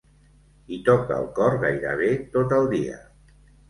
Hi toca el cor gairebé tot el dia.